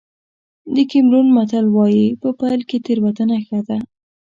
د کېمرون متل وایي په پيل کې تېروتنه ښه ده.